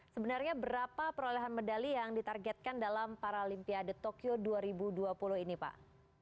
sebenarnya berapa perolehan medali yang ditargetkan dalam paralimpiade tokyo dua ribu dua puluh ini pak